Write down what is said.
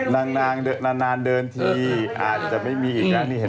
นางเดินทีอาจจะไม่มีอีกแล้ว